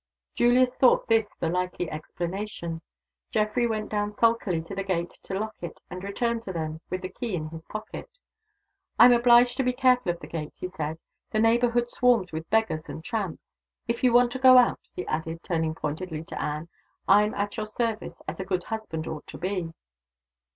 Julius thought this the likely explanation. Geoffrey went down sulkily to the gate to lock it, and returned to them, with the key in his pocket. "I'm obliged to be careful of the gate," he said. "The neighborhood swarms with beggars and tramps. If you want to go out," he added, turning pointedly to Anne, "I'm at your service, as a good husband ought to be."